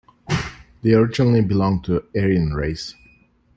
They originally belong to Aryan Race.